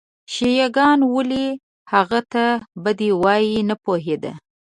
شیعه ګان ولې هغه ته بد وایي نه پوهېد.